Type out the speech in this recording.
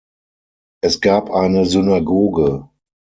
Es gab eine Synagoge.